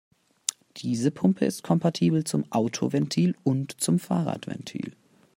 Diese Pumpe ist kompatibel zum Autoventil und zum Fahrradventil.